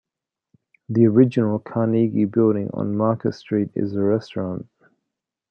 The original Carnegie building on Market Street is a restaurant.